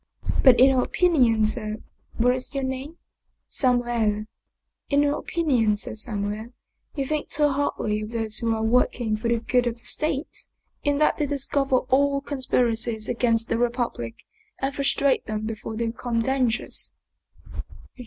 " But in my opinion, Ser But what is your name? "" Samuele." " In my opinion, Ser Samuele, you think too hardly of those who are working for the good of the State, in that they discover all conspiracies against the Republic and frustrate them before they become dangerous."